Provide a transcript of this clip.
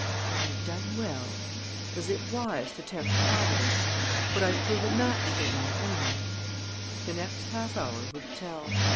Had I done well? Was it wise to tempt Providence? Would I prove a match for my enemy? The next half hour would tell.